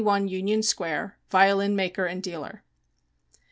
21 Union Square, violin maker and dealer.